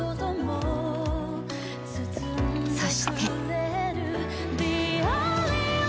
そして。